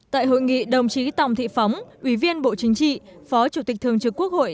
tại hội nghị đồng chí tòng thị phóng ủy viên bộ chính trị phó chủ tịch thường trực quốc hội